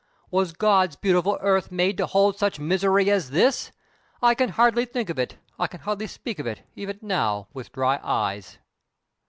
Was God's beautiful earth made to hold such misery as this? I can hardly think of it, I can hardly speak of it, even now, with dry eyes!"